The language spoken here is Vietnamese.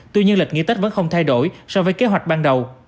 tuy nhiên lịch nghỉ tết vẫn không thay đổi so với kế hoạch ban đầu